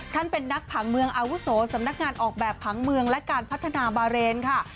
เป็นนักผังเมืองอาวุโสสำนักงานออกแบบผังเมืองและการพัฒนาบาเรนค่ะ